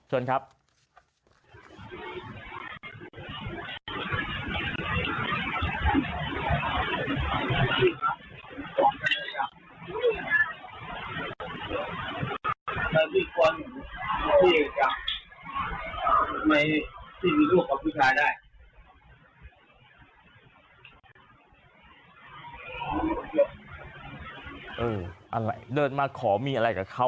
เอออะไรขอมีอะไรกับเขา